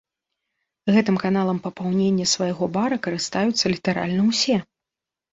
Гэтым каналам папаўнення свайго бара карыстаюцца літаральна ўсё.